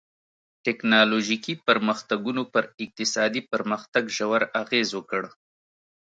ټکنالوژیکي پرمختګونو پر اقتصادي پرمختګ ژور اغېز وکړ.